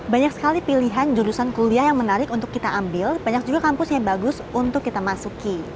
banyak sekali pilihan jurusan kuliah yang menarik untuk kita ambil banyak juga kampus yang bagus untuk kita masuki